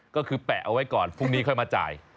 ก็คือแปะเอาไว้ก่อนพรุ่งนี้ค่อยมาจ่าย